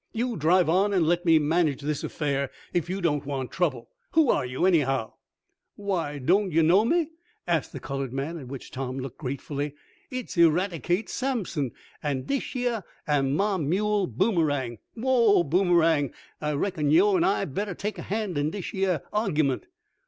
"You drive on and let me manage this affair if you don't want trouble! Who are you anyhow?" "Why doan't yo' know me?" asked the colored man, at whom Tom looked gratefully. "I's Eradicate Sampson, an' dish yeah am mah mule, Boomerang. Whoa, Boomerang! I reckon yo' an' I better take a hand in dish yeah argument."